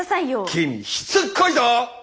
君ッしつっこいぞッ！